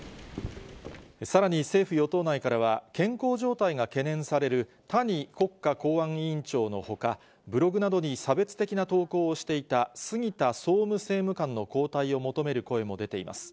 さらに、政府・与党内からは健康状態が懸念される、谷国家公安委員長のほか、ブログなどに差別的な投稿をしていた、杉田総務政務官の交代を求める声も出ています。